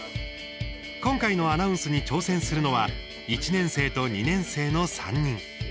今回のアナウンスに挑戦するのは１年生と２年生の３人。